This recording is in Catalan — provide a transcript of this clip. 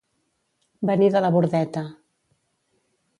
Venir de la Bordeta.